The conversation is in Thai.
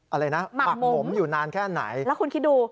อะไรนะหมักหมมอยู่นานแค่ไหนแล้วคุณคิดดู